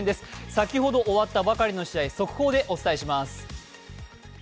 先ほど終わったばかりの試合、速報でお伝えします。